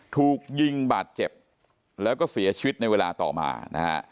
ถูกยิงบาดเจ็บแล้วก็เสียชีวิตในเวลาต่อมานะฮะ